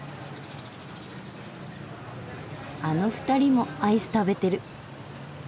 あの２人もアイス食べてる。